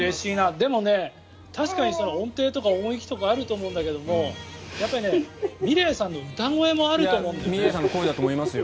でもね、確かに音程とか音域とかあると思うんだけれどもやっぱりｍｉｌｅｔさんの歌声もあると思うんですよ。